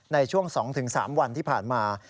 ในช่วง๒๓วันที่ผ่านมา